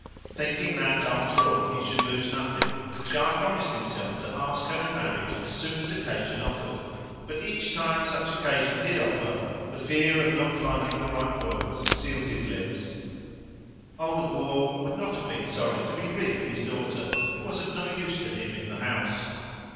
Thinking that, after all, he should lose nothing, Charles promised himself to ask her in marriage as soon as occasion offered, but each time such occasion did offer the fear of not finding the right words sealed his lips. Old Rouault would not have been sorry to be rid of his daughter, who was of no use to him in the house.